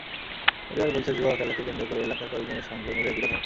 পরিবার বলছে, জুয়া খেলাকে কেন্দ্র করে এলাকার কয়েকজনের সঙ্গে নূরের বিরোধ হয়।